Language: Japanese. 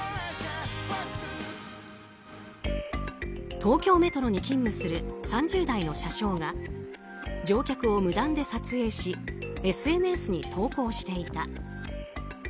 東京メトロに勤務する３０代の車掌が乗客を無断で撮影しＳＮＳに投稿していた。